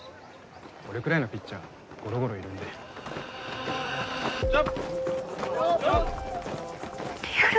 俺くらいのピッチャーゴロゴロいるんでちわっリアル